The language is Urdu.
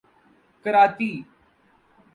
کراتی